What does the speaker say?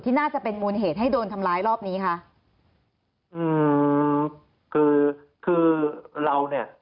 น่าจะเป็นมูลเหตุให้โดนทำร้ายรอบนี้คะอืมคือคือเราเนี้ย